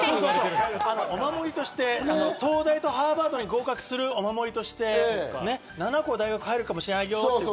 お守りとして東大とハーバードに合格するお守りとして、７個大学に入れるかもしれないよって。